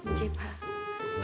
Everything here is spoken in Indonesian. oh encik pak